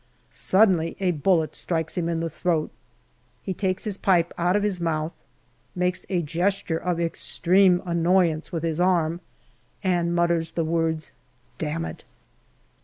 Suddenly a bullet strikes him in the throat ; he takes his pipe out of his mouth, makes a gesture of extreme annoyance with his arm, and mutters the words " Damn it